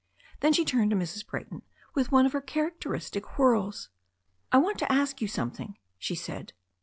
Then she turtied to Mrs. Brayton with one of her characteristic whirls. "I want to ask you something," she said.